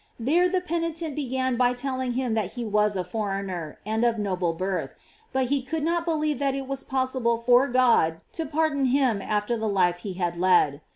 There the penitent began by telling him that he was a foreigner, and of noble birth, but be could not believe that it was possible for God to pardon him after the life he had led.